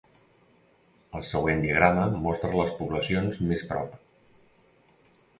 El següent diagrama mostra les poblacions més prop.